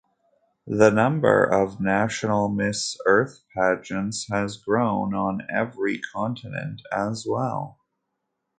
The number of national Miss Earth pageants has grown on every continent as well.